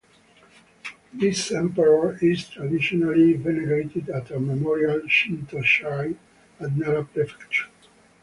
This emperor is traditionally venerated at a memorial Shinto shrine at Nara Prefecture.